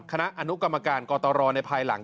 คณะอนุกรรมการกตรในภายหลัง